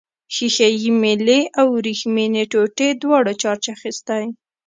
ښيښه یي میلې او وریښمينې ټوټې دواړو چارج اخیستی.